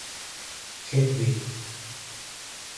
Hate Me!